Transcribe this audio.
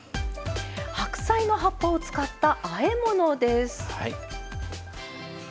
白菜の葉っぱを使ったあえ物です。